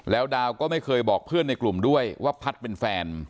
แล้วดาวก็ไม่เคยบอกเพื่อนในกลุ่มด้วยว่าพัฒน์เป็นแฟน